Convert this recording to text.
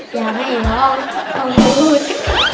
อยากให้ร้องของพุทธ